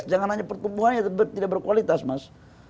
jangan hanya pertumbuhannya tidak berkualitas mas